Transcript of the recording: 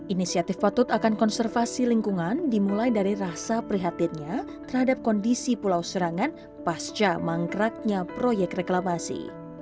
inisiatif fatut akan konservasi lingkungan dimulai dari rasa prihatinnya terhadap kondisi pulau serangan pasca mangkraknya proyek reklamasi